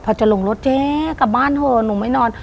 พอจะลงรถเจ๊กลับบ้านเถอะหนูไม่นอน